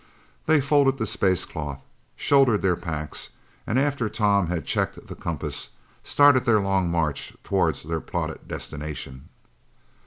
They folded the space cloth, shouldered their packs, and after Tom had checked the compass, started their long march toward their plotted destination.